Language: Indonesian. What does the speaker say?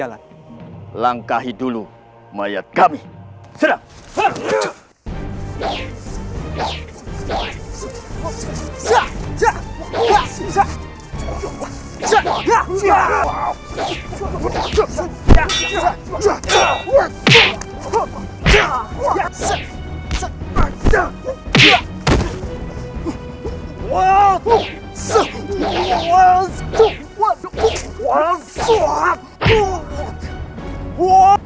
untukabilir di sejauh